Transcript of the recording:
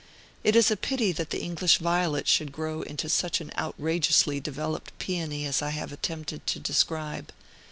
It is a pity that the English violet should grow into such an outrageously developed peony as I have attempted to describe.